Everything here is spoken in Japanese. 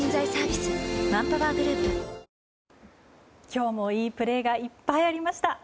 今日もいいプレーがいっぱいありました。